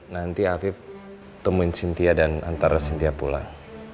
nanti afif temuin cynthia dan antar cynthia pulang